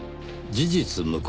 「事実無根。